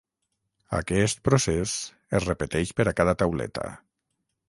Aquest procés es repeteix per a cada tauleta.